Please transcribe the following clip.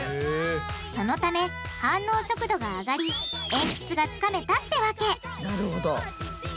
そのため反応速度が上がりえんぴつがつかめたってわけなるほど。